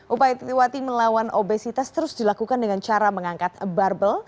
upaya titiwati melawan obesitas terus dilakukan dengan cara mengangkat barbel